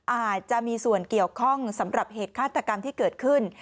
อาจจะมีส่วนเกี่ยวข้องสำหรับเหตุฆาตกรรมที่เกิดขึ้น